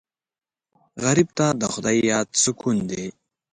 غریب ته د خدای یاد سکون دی